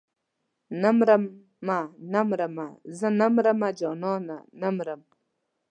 نه مرمه نه مرمه زه نه مرمه جانانه نه مرم.